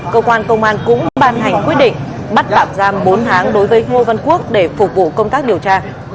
cơ quan công an cũng ban hành quyết định bắt tạm giam bốn tháng đối với ngô văn quốc để phục vụ công tác điều tra